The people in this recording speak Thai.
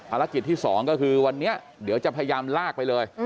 ภารกิจที่๒ก็คือวันนี้เดี๋ยวจะพยายามลากไปเลย